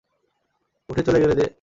উঠে চলে গেলে যে?